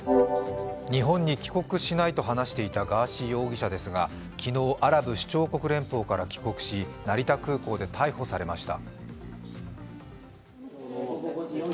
日本に帰国しないと話していたガーシー容疑者ですが昨日、アラブ首長国連邦から帰国し、成田空港で逮捕されました。